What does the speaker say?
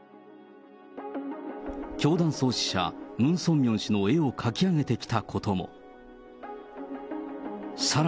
教団創始者、ムン・ソンミョン氏の絵を描き上げてきたことも。